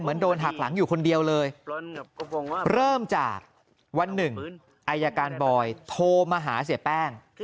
โดนหักหลังอยู่คนเดียวเลยเริ่มจากวันหนึ่งอายการบอยโทรมาหาเสียแป้ง